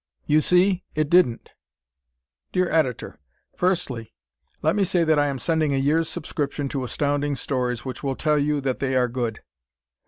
You See It Didn't! Dear Editor: Firstly, let me say that I am sending a year's subscription to Astounding Stories, which will tell you that they are good.